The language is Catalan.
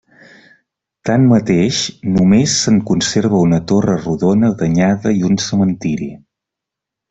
Tanmateix, només se'n conserva una torre rodona danyada i un cementiri.